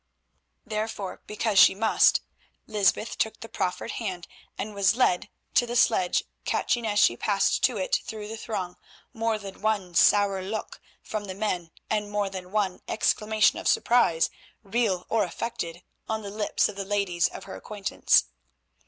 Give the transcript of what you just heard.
Therefore, because she must, Lysbeth took the proferred hand, and was led to the sledge, catching, as she passed to it through the throng, more than one sour look from the men and more than one exclamation of surprise, real or affected, on the lips of the ladies of her acquaintance.